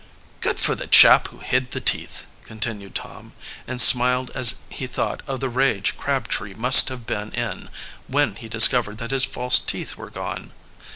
"Good for the chap who hid the teeth!" continued Tom, and smiled as he thought of the rage Crabtree must have been in when he discovered that his false teeth were gone.